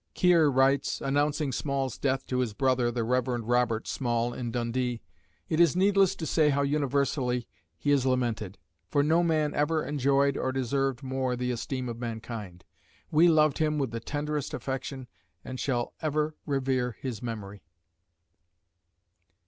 Keir writes, announcing Small's death to his brother, the Rev. Robert Small, in Dundee, "It is needless to say how universally he is lamented; for no man ever enjoyed or deserved more the esteem of mankind. We loved him with the tenderest affection and shall ever revere his memory."